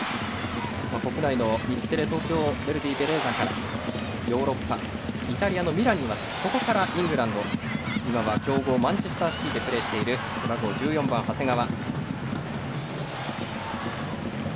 国内の日テレ・東京ヴェルディベレーザからヨーロッパイタリアのミラノからそこから強豪イングランド強豪マンチェスターシティーでプレーしている背番号尾１４番、長谷川。